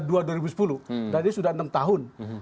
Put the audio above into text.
jadi sudah enam tahun